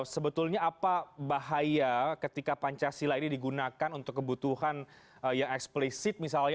sebetulnya apa bahaya ketika pancasila ini digunakan untuk kebutuhan yang eksplisit misalnya